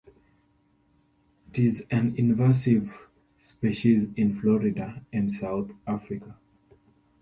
It is an invasive species in Florida and South Africa.